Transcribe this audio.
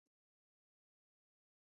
ایا زه به حج ته لاړ شم؟